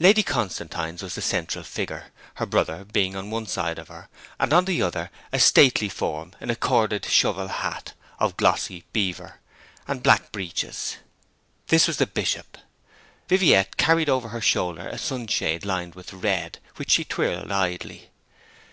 Lady Constantine's was the central figure, her brother being on one side of her, and on the other a stately form in a corded shovel hat of glossy beaver and black breeches. This was the Bishop. Viviette carried over her shoulder a sunshade lined with red, which she twirled idly.